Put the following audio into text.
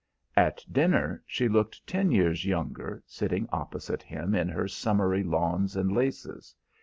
At dinner she looked ten years younger, sitting opposite him in her summery lawns and laces.